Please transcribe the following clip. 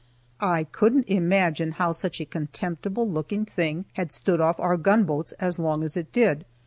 I couldn't imagine how such a contemptible looking thing had stood off our gunboats as long as it did.